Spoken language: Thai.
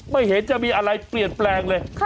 ไม่เห็นจะมีอะไรเปลี่ยนแปลงเลย